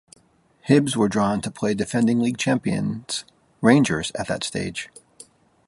Hibs were drawn to play defending league champions Rangers at that stage.